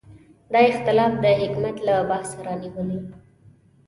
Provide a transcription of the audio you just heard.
دا اختلاف د حکمیت له بحثه رانیولې.